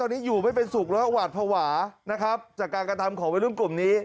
และอวาดภาวะนะครับจากการกระทำของวิรุณกลุ่มนี้